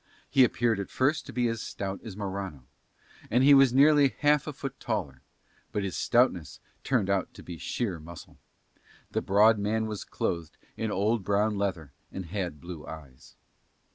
He appeared at first to be as stout as Morano, and he was nearly half a foot taller, but his stoutness turned out to be sheer muscle. The broad man was clothed in old brown leather and had blue eyes.